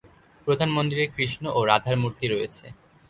প্রধান মন্দিরে কৃষ্ণ ও রাধার মূর্তি রয়েছে।